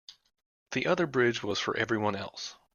The other bridge was for everyone else.